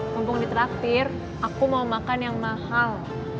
mumpung ditraktir aku mau makan yang mahal